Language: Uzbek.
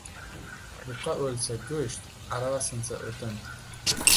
• Buqa o‘lsa ― go‘sht, arava sinsa ― o‘tin.